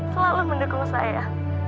selalu mendukung saya